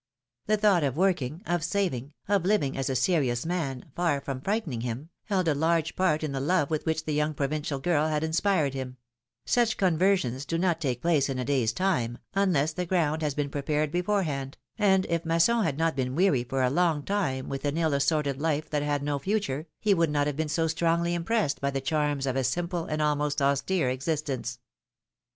The thought of working, of saving, of living as a serious man, far from frightening him, held a large part in the love with which the young provincial girl had inspired him ; such conversions do not take place in a day's time, unless the ground has been prepared beforehand, and if Masson had not been weary for a long time with an ill assorted life that had no future, he would not have been so strongly impressed by the charms of a simple and almost austere existence.